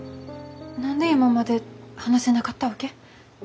何で今まで話せなかったわけ？